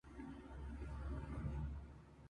Habita en zonas templadas de matorral y lugares rocosos.